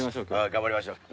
頑張りましょう。